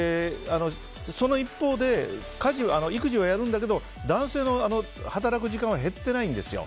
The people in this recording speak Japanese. その一方で育児はやるんだけど男性の働く時間は減ってないんですよ。